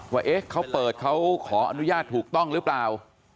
ว่าเขาเปิดเขาขออนุญาตถูกต้องหรือเปล่า